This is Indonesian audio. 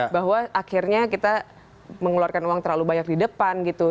bahwa akhirnya kita mengeluarkan uang terlalu banyak di depan gitu